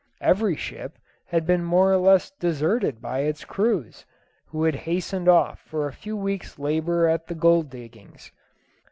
Every ship had been more or less deserted by its crews, who had hastened off for a few weeks' labour at the gold diggings.